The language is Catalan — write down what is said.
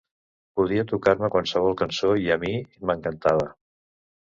Podia tocar-me qualsevol cançó i a mi m'encantava.